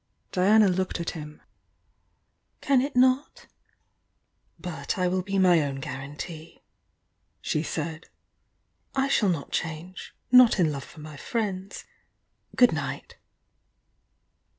Diana looked at him. "Can it not? But I will be my own guarantee," she said. "I shall not change — not in love for my friends. Good night!"